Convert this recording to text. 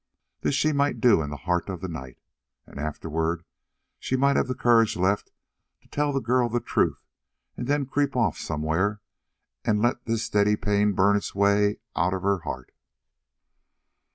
This she might do in the heart of the night, and afterward she might have the courage left to tell the girl the truth and then creep off somewhere and let this steady pain burn its way out of her heart.